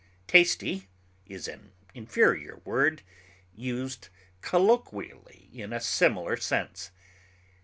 Tasty is an inferior word, used colloquially in a similar sense.